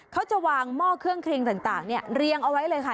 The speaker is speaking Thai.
เขาจะวางหม้อเครื่องเครงต่างเรียงเอาไว้เลยค่ะ